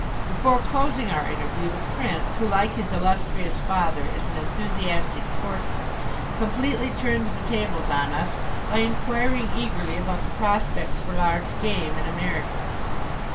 Before closing our interview the Prince, who, like his illustrious father, is an enthusiastic sportsman, completely turned the tables on us by inquiring eagerly about the prospects for large game in America.